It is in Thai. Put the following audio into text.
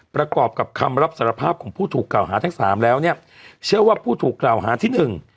ประกอบกับคำรับสารภาพของผู้ถูกกล่าวหาทั้งสามแล้วเนี่ยเชื่อว่าผู้ถูกกล่าวหาที่หนึ่ง